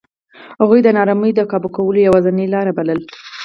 هغوی د نارامۍ د کابو کولو یوازینۍ لار بلله.